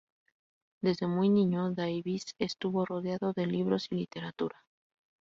Desde muy niño Davies estuvo rodeado de libros y literatura.